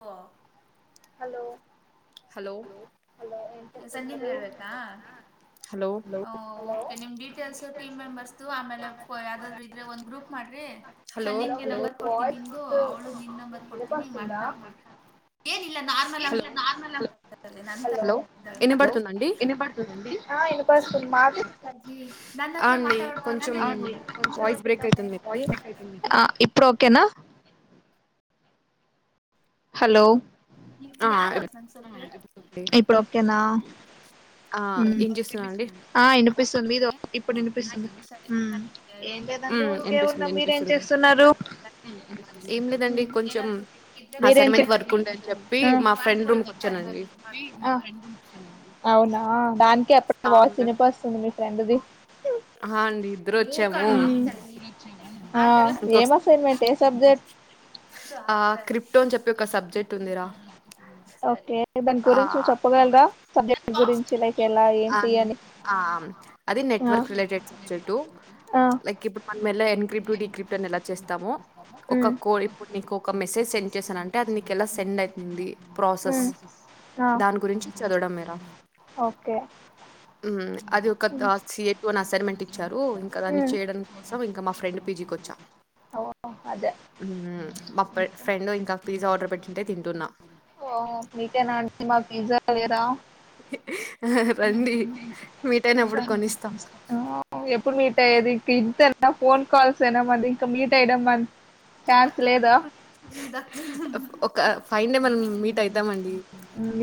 ఒ hello hello hello ఏం చేస్తున్నారు హలో హలో టటీీమ్ మెంర్స్ త ఆమె యాదరుు ఇ్రే ఒంద గ్రూప్ మ్రిీ హాలో హలో నిన్ మీ నంబర్ కొత ని వాయిస్ అళు నిన్ నంబర్ కొడ్తని వినపస్తుందా మట్తాకుడ్రీ ఏన నార్మల్ హాలో మాట్ హలో హాలో విన్న పడుతుందండి, ఆ వినపస్తుంది మాది అండీ కొంచెం వాయిస్ బ్రేక్ అయితుంది, మీది ఆ ఇప్పుడు ఓకేనా హలో ఆ ఉ ఏం చేస్తున్నా అండి ఆ వినిపిస్తుంది ఇదో ఇప్పుడు వినిపిస్తుంది. ఏం లేదండి ఊరికే వినిపిస్తుంది ఉన్నా మీరేం వినిపిస్తుంది, చేస్తున్నారు ఏం లేదండి ఉమ్. కొంచెం మీరేం చే అసైన్మెంట్ వర్క్ ఉండేని చెప్పి ఆ మా ఫ్రెండ్ రూమ్కి వచ్చానండి. ఆ. అవునా దానికి ఎక్కువ వాయిస్ అవును వినిపిస్తుంది మీ ఫ్రెండ్ది, ఆ హండి ఆ ఏం అసైన్మెంట్ [unintelligible] ఏ సబ్జెక్ట్ ఆ క్రిప్టో అని చెప్పి ఒక సబ్జెక్ట్ ఉందిరా, ఓకే దాని ఆ గురించి చెప్పగలరా సబ్జెక్ట్ గురించి లైక్ ఎలా ఏంటి ఆన్ అని ఆ అది ఆ నెట్వర్క్ రిలేటెడ్ బ్ెక్ట్ ఆ లైక్ ఇప్పుడు మనం ఎ ఎన్క్రిప్ట్ డీక్రిప్ట్ అని ఎలా చేస్తాము. ఒక మ్ కో ఇప్పుడు నీకు ఒక మెసేజ్ సెండ్ చేసానంటే అది నీకు ఎలా సెండ్ అవుతుంది, ప్రాసెస్ మ్ ఆ దాని గురించి చదవడం మెరా ఓకే ఉ అది ఒక మ్ సియాపో నస్ అసర్మెంట్ ఇచ్చారు ఇంకా దాన్ని మ్ చేయడం కోసం ఇంకా మా ఫ్రెండ్ పీజికి వచ్చా ఓ అదే ఉ మా ఇంకా. ఫ్రెండ్ ఇంకా పిజ్జా ఆర్డర్ పెట్టింటే తింటున్నా, ఓ మీకేనా అండీ నాకు పిజ్జా తెరా రండి మీట్ అయినప్పుడు కొనిస్తా [unintelligible] ఎప్పుడు మీట్ అయ్యదు ఇంకా ఇంతేన ఫోన్ కల్స్ ఏనా ఇకా మీట్ అయడం మ [unintelligible] ఒక ఫైవన్ డే మనం మీట్ అవుతామండి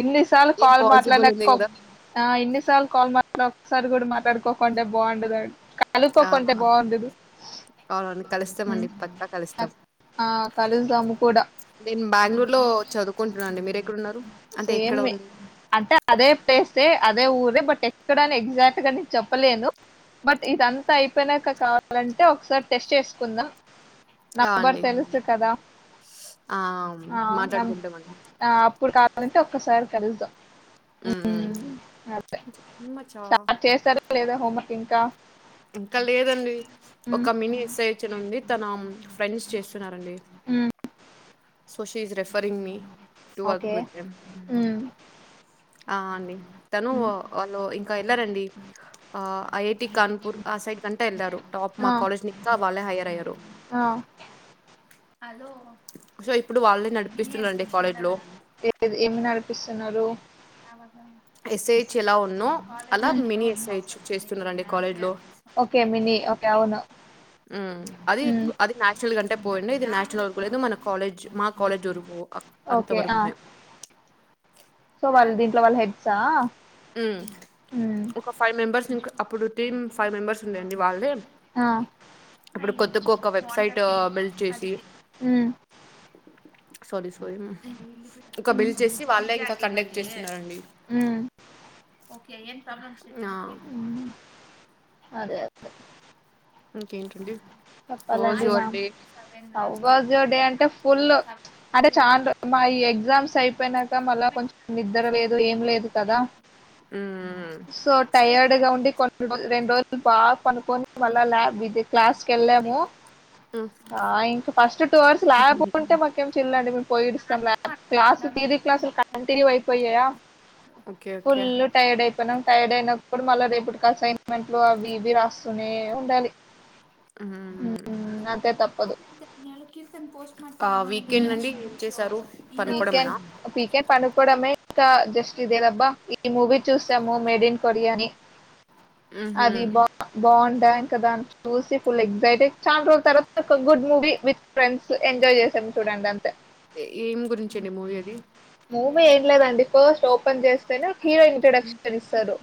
ఇన్నిసార్లు కాల్ మాట్లాడినక ఒక అ ఇన్నిసార్లు కాల్ మాట్లాడినక ఒకసారి కూడా మాట్లాడుకోకుంటే బాగుండదు ఆ కనుకోకుంటే బాగుండదు అవునండి మ్ కలుస్తామండి పక్కా కలుస్తాం ఆ కలుస్దాము కూడా నేను బెంగళూరు లో చదువుకుంటున్నా అండి మీరు ఎక్కడన్నారు. సేమే అంటే అదే ప్లేస్ అదే ఊ రే బట్ ఎక్కడని ఎగ్జాక్ట్ గా నేను చెప్పలేను, బట్ ఇదంతా అయిపోయినాక కావాలంటే ఒకసారి టెస్ట్ చేసుకుందాం, నా ఆ నెంబరు అండి తెలుసు కదా ఆ ఆ మాట్లాడుకుంటామండి అప్పుడు కావాలంటే ఒక్కసారి కలుస్దాం మ్మ్ మ్ అదే మచ్చా స్టార్ట్ చేసారా లేదా హోంవర్క్ ఇంకా ఇంకా లేదండి మ్మ్, ఒక మినీ ఎస్సైచన్ ఉంది తన ఫ్రెండ్స్ చేస్తున్నారు, అండి మ్మ్, so she is referring me to అక్ ఓకే విత్ దెమ్ మ్మ్, ఆ అండి తను మ్మ్. వాళ్లు ఇంకా వెళ్ళారండి ఆ ఐఐటి కాన్పూర్ ఆ కంటే వెళ్ళారు టాప్ ఆ, మా కాలేజ్ని వాళ్లే హైయర్ అయ్యారు ఆ, సో ఇప్పుడు వాళ్లే నడిపిస్తున్నరు అండి కాలేజ్ లో ఏది ఏమి నడిపిస్తున్నారు ఎస్ఐహెచ్ ఎలా ఉన్నో అలా మ్మ్. మినీ ఎస్ఐహెచ్ చేస్తున్నరు అండి కాలేజ్ లో ఓకే మినీ ఓకే అవును మ్ అది మ్మ్, అది నేషనల్ కంటే పోయిండి ఇది నేషనల్ వరకు లేదు మన కాలేజ్ మా కాలేజ్ వరకు అ అంత ఓకే ఆ వరగుమే సో వాళ్ళు దీంట్లో వాళ్ళ హెడ్సా మ్ మ్మ్, ఒక ఫైవ్ మెంబర్స్ ఇంక అప్పుడు టీ మ్ ఫైవ్ మెంబర్స్ ఉండే అండి వాళ్లే ఆ, అప్పుడు కొత్త ఒక వెబ్సైట్ బిల్డ్ చేసి మ్మ్, సోది సోది ఇక మ్మ్. బిల్డ్ చేసి వాళ్లే ఇంకా కండక్ట్ చేస్తున్నారండి మ్మ్. ఓకే ఏం ప్రాబ్లమ్స్ లేవు అ మ్మ్. అదే అదే ఇంకేంటండి హౌ వాజ్ చెప్పాలండి మా your day how was your day అంటే ఫుల్ అంటే చానా రో మా ఈ ఎగ్జామ్స్ అయిపోయినక మల్ల కొంచెం నిద్ర లేదు ఏం లేదు కదా మ్మ్ సో టయర్డ్గా ఉండి కొన్ని రోజు రెండు రోజులు బాగా పండుకొని మళ్ల ల్యాబ్ ఇది క్లాస్ కి వెళ్ళాము ఆ ఇంకా ఫస్ట్ టూ అవర్స్ ల్యాబ్ ఉంటే మాకేం చిల్ల్ అండి మేము పోయిడిస్తాం ల్యాబ్ క్లాసు తీ రీ క్లాసులు కంటిన్యూ అయిపోయాయ ఓకే ఫుల్ ఓకే టైర్డ్ అయిపోయినాం టైర్డ్ అయినప్ప డు మళ్లా రేపటికి అసైన్మెంట్ లో అవి ఇవి రాస్తూనే ఉండాలి మ్మ్ మ్ అంతే తప్పదు ఆ మ్ వీకెండ్ అండి హూ ఏం చేశారు వీకెండ్ పనుకోవడమేనా వీకెండ్ పండుకోవడమే ఇంకా జస్ట్ ఇదేదబ్బా ఈ మూవీ చూసాము మేడ్ ఇన్ కొరియాని మ్హూ అది బా బావుండే కదా అని చూసి ఫుల్ ఎగ్సైటై చాలా రోజుల తర్వాత ఒక good movie with friends enjoy చే సాము చూడండి ఏం గురించి అండి మూవీ అది మూవీ ఏం లేదండి ఫస్ట్ ఓపెన్ చేస్తేనే హీరో ఇంట్రడక్షన్ ఇస్తారు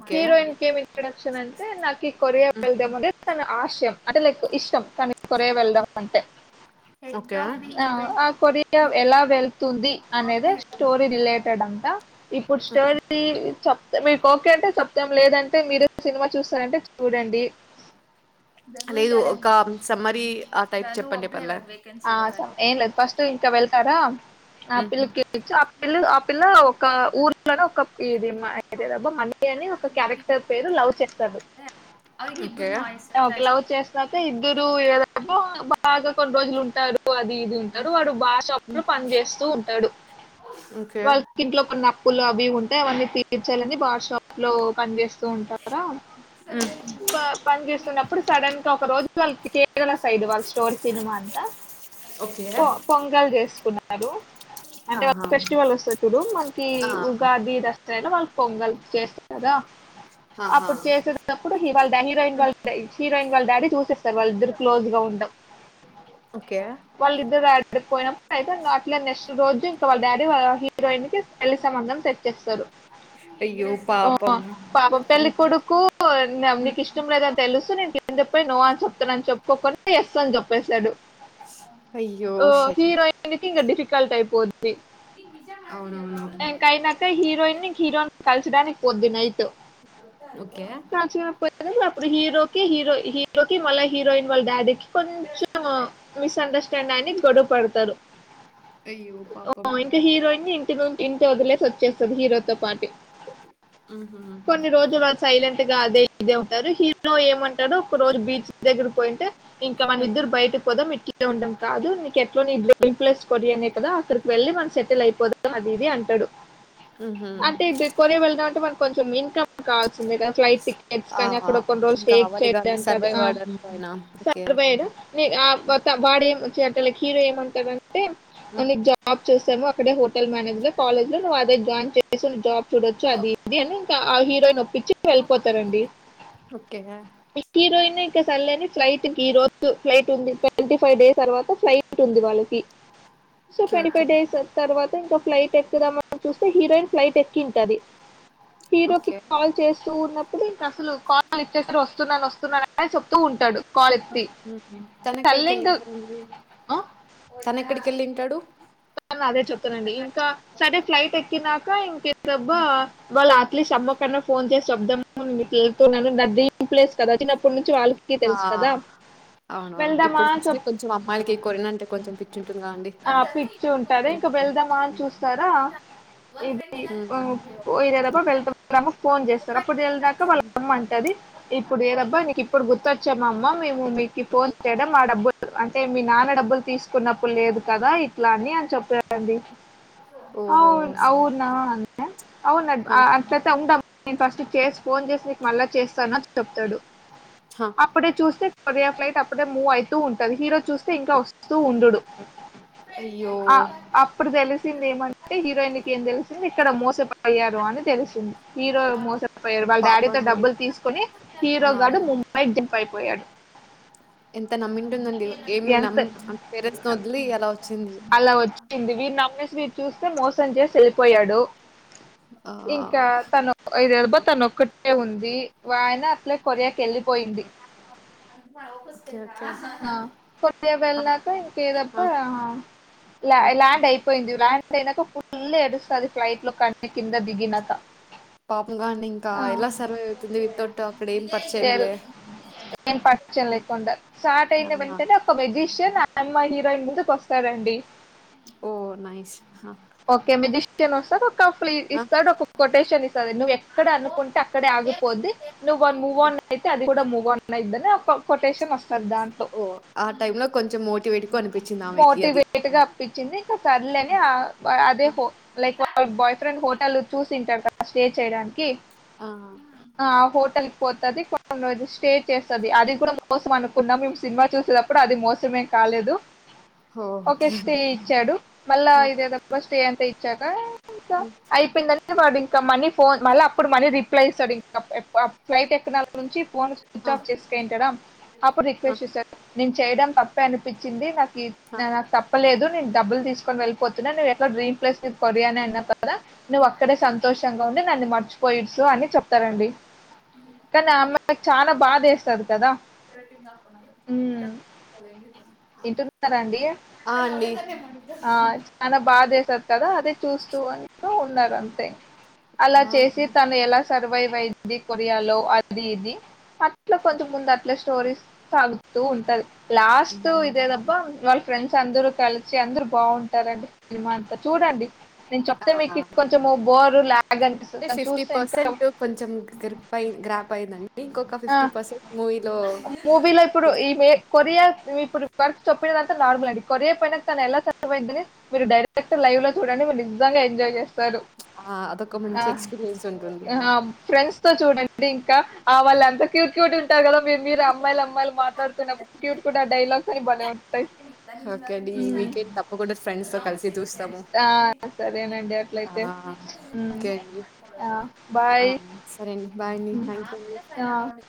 ఓకే హీరోయిన్ ఇంకేం ఇంట్రడక్షన్ అంటే నాకు ఈ కొరియా వెళ్దాం అనేది తన ఆశయం అంటే లైక్ ఇష్టం తనకీ కొరియా వెళ్ళడం అంటే ఓకే ఆ ఆ కొరియా ఎలా వెళ్తుంది అనేది స్టోరీ రిలేటెడ్ అంతా ఇప్పుడు స్టోరీ చెప్తే మీకు ఓకే అంటే చె ప్తం లేదంటే మీరు సినిమా చూస్తారంటే చూడండి లేదు ఒక సమ్మరి ఆ టైప్ చెప్పండి పర్ల ఆ ఏం లేదు ఫస్ట్ ఇంటర్వెల్ కదా ఉమ్, ఆపిల్కి ఆ పిల్ ఆ పిల్ల ఒక ఊర్లోనే ఒక ఇది అబ్బ మ అని ఒక క్యారెక్టర్ పేరు లవ్ చేస్తాడు ఓకే ఒక లవ్ చేసినాక ఇద్దరు ఏదబో బాగా కొన్ని రోజులు ఉంటారు అది ఇది ఉంటారు వాడు బార్ షాప్ ఉమ్, లో పని చేేస్తా టాడు ఓకే వాళ్ళకి ఇంట్లో కొన్ని అప్పులు అవి ఉంటాయి అవన్నీ తీర్చాలని బార్ షాప్ లో పని చేేస్తూ ఉంటాడు ఉమ్, పని చేస్తున్నప్పుడు సడన్ గా ఒక రోజు వాళ్లు కేరళ సైడ్ వాళ్లు టోర్ సినిమా అంతా ఓకే పో పొంగల్ చేసుకున్నారు అంటే ఆహా ఫెస్టివల్ వస్తది చూడు మనకి ఆ, ఉగాది, దసరా నా వాళ్ళు పొంగల్ చేస్త కదా ఆహా అప్పుడు చేసేటప్పుడు వాళ్ళ హీరోయిన్ వాళ్ళ హీరోయిన్ వాళ్ళ డాడీ చూసే వాళ్ళిద్దరూ క్లోజ్ గా ఉండడం ఓకే వాళ్ళిద్దరూ యాడికి పోయిన అయితే నువట్లే చేస్ నెక్స్ట్ రోజు ఇంకా వాళ్ళ డాడీ వాళ్ళ హీరోయిన్ కి పెళ్లి సంబంధం సెట్ చేస్తారు అయ్యో ఓ పాపం పాపం పెళ్లికొడుకు ఉమ్, నీకు ఇష్టం లేదని తెలుసు నేను కింద నో అని చెప్తా అని చెప్పుకోకుండా ఎస్ అని చెప్పేస్తాడు అయ్యో ఓ షట్ హీరోయన్కి ఇంగా డిఫికల్ట్ అయిపోద్దీ అవునవును ఇంకా అయినాక హీరోయిన్న్నీ హీరోనీ కల్చడానికి పోద్దినైట్ ఓకే అప్పుడు హీరోకి హీరో హీరోకి మళ్ళా హీరోయిన్ వాళ్ళ డాడీకి కొంచెం మిస్ అండర్ స్టాండ్ అని గొడువ పడతారు అయ్యో పాపం ఆ, ఇంకా హీరోయిన్ ఇంటి నుంచి ఇంటి వదిలేసి వచ్చేస్తది హీరోతో పాటి ఉహు కొన్ని రోజులు సైలెంట్ గా అదే ఇదే ఉంటారు హీరో ఏమంటాడు ఒక రోజు బీచ్ దగ్గర పోయింటే ఇంకా మన ఇద్దరు బయటకు పోదాం ఇట్లే ఉంటాం కాదు ఎట్లున్న నీకు డ్రీమ్ ప్లేస్ కొరియా నే కదా అక్కడికి వెళ్ళి మనం సెటిల్ అయిపోదం అది ఇది అంటాడు ఉహు అంటే కొరియా వెళ్దాం అంటే మనకు కొంచెం ఇన్కమ్ కావాల్సింది ఫ్లైట్ టికె కెట్స్ ఆ కని అక్కడ కొన్ని రోజులు ఇంకా స్టేట్ అవాలి గాంధీ చేద్దాం కదా సర్వైవ్ ఆ అవడానికి ఆయన ఓకే సరిపోయారు వాడేం చి అక్కడ హీరో ఏమంటాడాంటే ఆ ఉమ్, నిక్ జాబ్ చూసాము అక్కడ హోటల్ మేనేజర్ కాలేజ్ లో నువ్ అదే జాయిన్ చేసి జాబ్ చూడోచ్చ అది ఇది అని ఆ హీరోయిన్ ని ఒప్పి ఇచ్చి వెళ్ళిపోతారండి ఓకే హీరోయినే ఇంక సర్లే అని ఫ్లైట్ కి ఈరోజు ఫ్లైట్ ఉంది ట్వంటీ ఫైవ్ డేస్ తర్వాత ఫ్లైట్ ఉంది వాళ్ళకి so okay twenty okay five days తర్వాత ఇంకా ఫ్లైట్ ఎక్కుదామని చూస్తే హీరోయిన్ ఫ్లైట్ ఎక్కి ఉంటది హీరోకి ఓకే కాల్ చేస్తూ ఉన్న ఇంకా అసలు కాల్ లిఫ్ట్ చేసి వస్తున్నాను వస్తున్నాను అనే చెప్తూ ఉంటాడు కాల్ ఎత్తి తను ఎక్కడికి తల్లి ఇంకా వెళ్ళింటాడు "ఆ, తను ఎక్కడికి ఏళ్ళింటాడు అదే చెప్తానండి ఇంకా సరే ఫ్లైట్ ఎక్కినాక ఇంకేబ్బా వాళ్ళ అమ్మ కన్నా ఫోన్ చేసి చెబుదాం వెళ్తున్నానని నా డ్రీమ్ ప్లేస్ చిన్నప్పుడు నుంచి వాళ్ళకి ఆ! తెలుసు కదా అవునవును వెళ్దామా ఇప్పుడు అని ఫస్ట్ చెప్ కొంచెం అమ్మాయిలకి కొరినంటే కొంచెం పిచ్చిఉంటుంది కదా అండి వచ్చి ఉంటాది హ్మ్. ఇంకా వెళ్దామా అని హ్మ్. చూస్తారా ఇది హ్మ్. వోఎదబ వెళ్దాం అమ్మకు ఫోన్ చేస్తారు అప్పుడు వెళ్దాక వాళ్ళ అమ్మ అంటది ఇప్పుడు ఏదబ్బా నీక్ ఇప్పుడు గుర్తొచ్చ మా అమ్మా మేము మీకి ఫోన్ చేయడం మా డబ్బులు అంటే మీ నాన్న డబ్బులు తీసుకున్నప్పుడు లేదు కదా ఇట్లా అని అని చెప్పారండి ఓహో! అవును సరే అవునా సరే. అవున్ ఆ! అట్లయితే ఉందాం ఫస్ట్ చేసి ఫోన్ చేసి నీకు మళ్ళా చేస్తానని చెప్తాడు ఆ! అప్పుడే చూస్తే కొరియా ఫ్లైట్ అప్పుడే మూవ్ అయితూ ఉంటది హీరో చూస్తే ఇంకా వస్తూ ఉండుడు అయ్యో ఆ అప్పుడు తెలిసింది ఏమంటే హీరోయిన్కి ఏం తెలిసింది ఇక్కడ మోసపోయారు అని తెలిసింది హీరో మోసపోయారు వాళ్ళ డాడీతో పాపండి. డబ్బులు తీసుకోని ఆ! హీరో గాడు ముంబైకి జంప్ అయి పోయాడు ఎంత నమ్మింటుందండి ఏమి నమ్ అంట్ పేరెంట్స్ ను వదిలి ఏలా అలా వచ్చింది వీరు నమ్మేసి వీరు చూస్తే మోసం చేసి వెళ్ళిపోయాడు ఓకే ఇంకా తను ఇరార్బా తను ఒకటె ఉంది ఆయన అట్లే కొరియాకి వెళ్ళిపోయింది ఒకే ఆ కొరియా వెళ్ళాక ఇంకదప్ప ల్యాండ్ అయిపోయింది ల్యాండ్ అయినాక ఫుల్ ఎడుస్తది ఫ్లైట్ లో కన్న కింద దిగినాక పాప గా అండి ఇంకా ఆ ఎలా సర్వైవ్ అవుతుంది వితోట్టు అక్కడ ఏం ఎల్ పరిచయంలే ఏం పరిచయం లేకుండా స్టార్ట్ అయిన వెంటనే ఒక మెజిషియన్ ఆ అమ్మాయి హీరోయిన్ ముందుకు వస్తారండి ఓ నయిస్ హ ఓకే మెజిషియన్ వస్తాడు ఒక ఫ్ ఆ, ఇస్తాడు ఒక కొటేషన్ ఇస్తాడు నువ్వు ఎక్కడ అనుకుంటే అక్కడే ఆగిపోద్ది నువ్ మూవ్ ఆన్ అయితే అది కూడా మూవ్ ఆన్ అయిద్ధి అని ఒక కొటేషన్ వస్తది దాంట్లో ఓ ఆ టైంలో కొంచెం మోటివేట్గా అనిపించింది ఆమెకి అది మోటివేట్గా అన్పించింది ఇంకా సర్లే ఆ అదే ఆ, బాయ్ ఫ్రెండ్ హోటల్ లో చూసింటారు కదా స్టే చేయడానికి ఆ ఆ హోటల్కి పోతది కొన్ని రోజు స్టే చేస్తది అది కూడా మోసం అనుకున్నాాం మేము సినిమా చూసేటప్పుడు అది మోసమే కాలేదు ఒకే ఓకే స్టే ఇచ్చాడు మళ్ళా ఆ, ఇదేదో అంత ఇచ్చాకా ఇంకా ఉమ్, అయిపోయిందని వాడు ఇంకా మనీ ఫోన్ మళ్ళ అప్పుడు మళ్ళీ రిప్లై ఇస్తాడు ఇంకా ఫ్లైట్ ఎక్కనాల నుంచి ఫోన్ స్వి స్విచ్ ఆ, ఆఫ్ చేసుంట అప్పుడు ఆ, రిక్వెస్ట్ చేసారు నేను చేయడం తప్పే అనిపించింది నాకి ఆ న తప్పలేదు నే డబ్బులు తీసుకుని వెళ్ళితున్నా నువ్వు డ్రీమ్ ప్లేస్ కొరియా అని అన్నావు కదా నువ్వు అక్కడే సంతోషంగా ఉండునన్ను మర్చిపోయిచ్చు అని చెప్తాడు డి కానీ ఆ అమ్మాయికి చాలా బాదేస్తది కదా దాకు ఇంటన్నారా అండి ఆ అండి బా చేసారు కదా అదే చూస్తూ ఉంటూ ఉన్నారు అంతే అలా ఆ, చేసి తను ఎలా సర్వైవ్ అయిది కొరియాలో అది ఇది అట్లే కొంత ముందు అట్లా స్టోరీ సాగుతూ ఉంట లాస్ట్ ఇదేదబ్బా వాళ్ళ ఫ్రెండ్స్ అందరూ కలిసి అందరు బాగుంటారండి సినిమా అంతా చూడండి నేను చెప్తే మీకు ఆ, కొంచెం బోరు లా అంటే ఫిఫ్టీ పర్సెంట్ కొంచెం గప్యి గ్రాప్ అయిందండి ఇంకొక ఆ ఫిఫ్టీ పర్సెంట్ మూవీలో ఇప్పుడు ఈ మే కొరియా ఇప్పుడు వరకు చెప్పినదంతా నార్మల్ అండి కొరియా పోయినాక తను ఎలా సర్వైవ్ అయిందని మీరు డైరెక్ట్ లైవ్ లో చూడండి మీరు నిజంగా ఎంజాయ్ చేస్తారు ఆ! అదొక మంచి ఆ ఎక్స్‌పీరియన్స్ ఉంటుంది. ఫ్రెండ్స్ తో చూడండి ఇంకా వాళ్ళ ఎంత క్యూట్ క్యూట్ ఉంటారు కదా మీరు మీరు అమ్మాయిలు అమ్మాయిలు మాట్లాడుతున్నప్పుడు క్యూట్ కుఢ డైలాగ్స్ అన్ని భలే ఉంటయి ఓకే అండి ఈ వీకెండ్ తప్పకుండా ఫ్రెండ్స్ తో కలిసి చూస్తాము ఆ! సరేనండి అట్లయితే. ఆ హ్మ్. ఓకే అండి ఆ! ఆ బాయ్. సరే అండి బాయ్ అండి హ్మ్. ఆ! థ్యాంక్యూ